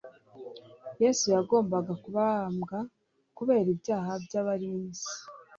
Yesu yagombaga kubambwa kubera ibyaha by'abari mu isi.